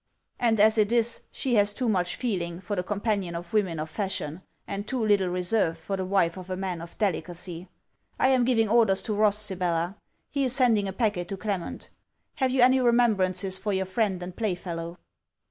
And as it is, she has too much feeling, for the companion of women of fashion; and too little reserve, for the wife of a man of delicacy. I am giving orders to Ross, Sibella. He is sending a packet to Clement. Have you any remembrances for your friend and play fellow?'